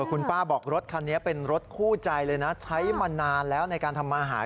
คุณป้าบอกรถคันนี้เป็นรถคู่ใจเลยนะใช้มานานแล้วในการทำมาหา